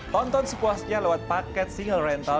tonton sepuasnya lewat paket single rental